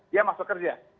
dia masuk kerja